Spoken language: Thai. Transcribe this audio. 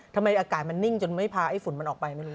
ทำไมอากาศมันนิ่งจนไม่พาไอ้ฝุ่นมันออกไปไม่รู้